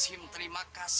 sim terima kasih